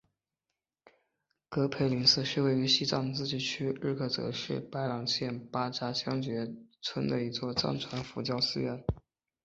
格培林寺是位于西藏自治区日喀则市白朗县巴扎乡觉杰村的一座藏传佛教寺院。